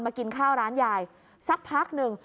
กินข้าวร้านยายสักพักหนึ่ง